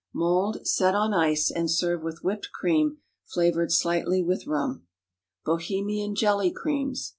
Mould, set on ice, and serve with whipped cream flavored slightly with rum. _Bohemian Jelly Creams.